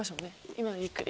今よりゆっくり。